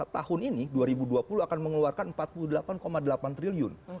tahun ini dua ribu dua puluh akan mengeluarkan empat puluh delapan delapan triliun